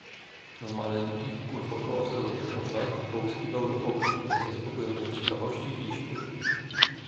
"W maleńkich głęboko osadzonych oczach połyskiwały ognie niezaspokojonej ciekawości i siły."